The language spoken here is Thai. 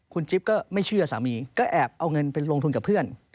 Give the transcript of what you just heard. คุณจิ๊บก็ไม่เชื่อสามีก็แอบเอาเงินไปลงทุนกับเพื่อน